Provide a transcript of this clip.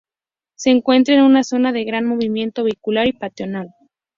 Se encuentra en una zona de gran movimiento vehicular y peatonal.